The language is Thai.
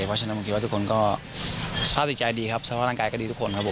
เพราะฉะนั้นผมคิดว่าทุกคนก็สภาพจิตใจดีครับสภาพร่างกายก็ดีทุกคนครับผม